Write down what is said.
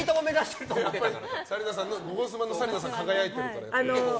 「ゴゴスマ」の紗理奈さん輝いてるから。